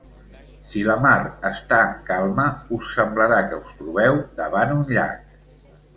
Si la mar està en calma, us semblarà que us trobeu davant un llac.